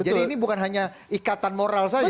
jadi ini bukan hanya ikatan moral saja